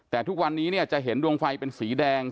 แต่ทุกวันนี้เนี่ยจะเห็นดวงไฟเป็นสีแดง